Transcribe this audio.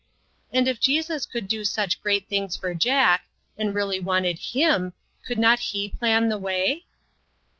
And if Jesus could do such great things for Jack, and really wanted him could he not plan the way?